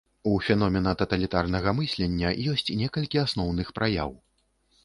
У феномена таталітарнага мыслення ёсць некалькі асноўных праяў.